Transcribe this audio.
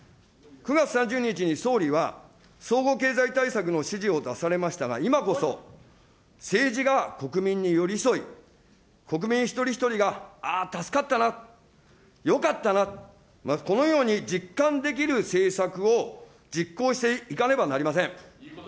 ９月３０日に総理は、総合経済対策の指示を出されましたが、今こそ政治が国民に寄り添い、国民一人一人が、ああ、助かったな、よかったな、このように実感できる政策を実行していかねばなりません。